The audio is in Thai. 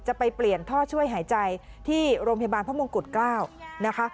จะไปเปลี่ยนท่อช่วยหายใจที่โรงพยาบาลพระมงกุฎเกล้านะคะ